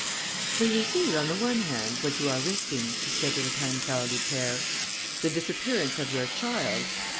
"So you see, on the one hand, what you are risking," he said to the Pancaldi pair. "The disappearance of your child